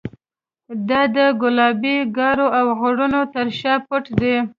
دا د ګلابي ګارو او غرونو تر شا پټ دی.